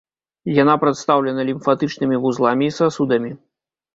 Яна прадстаўлена лімфатычнымі вузламі і сасудамі.